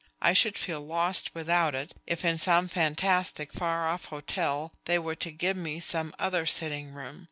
I should feel lost without it if, in some fantastic, far off hotel, they were to give me some other sitting room.